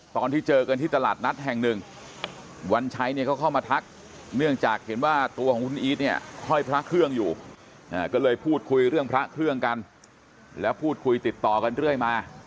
ตอนที่เจอกันที่ตลาดนัดแห่งหนึ่งวันชัยเนี่ยเขาเข้ามาทักเนื่องจากเห็นว่าตัวของคุณอีทเนี่ยห้อยพระเครื่องอยู่ก็เลยพูดคุยเรื่องพระเครื่องกันแล้วพูดคุยติดต่อกันเรื่อยมา